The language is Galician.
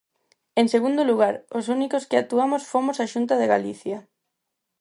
En segundo lugar, os únicos que actuamos fomos a Xunta de Galicia.